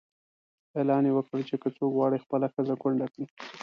اعلان یې وکړ چې که څوک غواړي خپله ښځه کونډه کړي.